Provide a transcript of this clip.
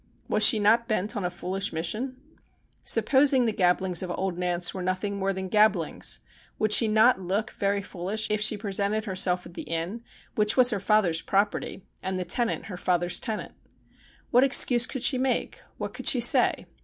Was she not bent on a foolish mission ? Supposing the gabblings of old Nance were nothing more than gabblings, would she not look very foolish if she presented herself at the inn, which was her father's property, and the tenant her father's tenant ? What excuse could she make ? What could she say